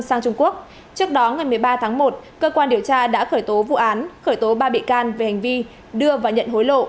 sang trung quốc trước đó ngày một mươi ba tháng một cơ quan điều tra đã khởi tố vụ án khởi tố ba bị can về hành vi đưa và nhận hối lộ